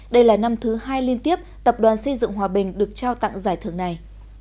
đây là năm thứ hai liên tiếp tập đoàn xây dựng hòa bình được trao tặng giải thưởng này